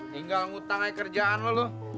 tinggal ngutang aja kerjaan lo